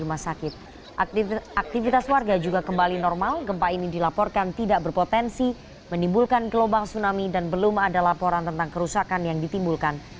aktivitas warga juga kembali normal gempa ini dilaporkan tidak berpotensi menimbulkan gelombang tsunami dan belum ada laporan tentang kerusakan yang ditimbulkan